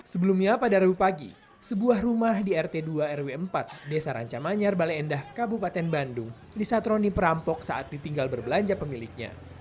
sebelumnya pada rabu pagi sebuah rumah di rt dua rw empat desa ranca manyar bale endah kabupaten bandung disatroni perampok saat ditinggal berbelanja pemiliknya